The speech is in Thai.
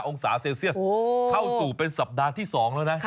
องศาเซลเซียสเข้าสู่เป็นสัปดาห์ที่๒แล้วนะ